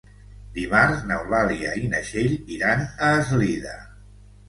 Dimarts n'Eulàlia i na Txell iran a Eslida.